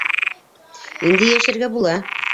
Инде йәшәргә була.